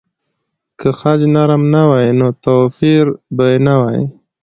که خج نرم نه وای، نو توپیر به نه وای.